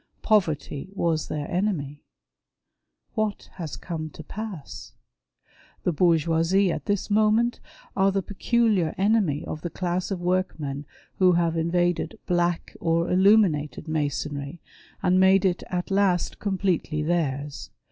Poverty was their enemy. What has come to pass ? The Bourgeoisie at this moment are the peculiar enemy of the class of workmen who have invaded ^' Black " or " Illuminated " Masonry, and made it at last completely theirs.